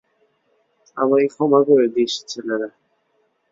আমায় ক্ষমা করে দিস, ছেলেরা।